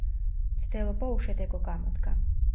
მცდელობა უშედეგო გამოდგა.